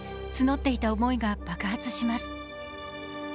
募っていた思いが爆発します。